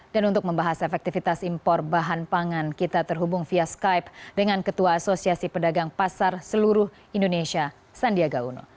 dan untuk membahas efektivitas impor bahan pangan kita terhubung via skype dengan ketua asosiasi pedagang pasar seluruh indonesia sandiaga uno